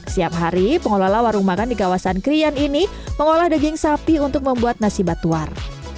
setiap hari pengelola warung makan di kawasan krian ini mengolah daging sapi untuk membuat nasi batuar